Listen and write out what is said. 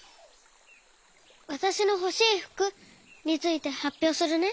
「わたしのほしいふく」についてはっぴょうするね。